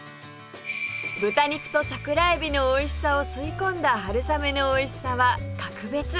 豚肉と桜えびのおいしさを吸い込んだ春雨のおいしさは格別！